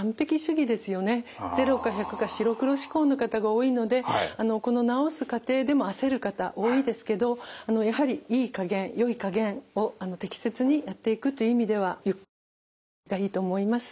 ０か１００か白黒思考の方が多いのでこの治す過程でも焦る方多いですけどやはりいいかげんよいかげんを適切にやっていくという意味ではゆっくりじっくりがいいと思います。